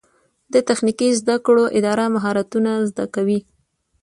د تخنیکي زده کړو اداره مهارتونه زده کوي